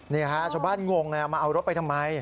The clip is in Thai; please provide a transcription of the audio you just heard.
นี่ฮะชาวบ้านงงมาเอารถไปทำไม